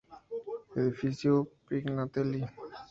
Edificio Pignatelli.